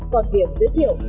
còn việc giới thiệu